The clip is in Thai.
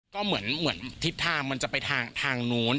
ก็เหมือนทิศทางมันจะไปทางนู้น